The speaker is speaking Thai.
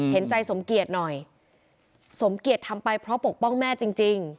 เห็นใจสมเกียจหน่อยสมเกียจทำไปเพราะปกป้องแม่จริง